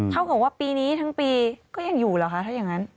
เท่ากับว่าปีนี้ทั้งปีก็ยังอยู่เหรอคะถ้าอย่างนั้น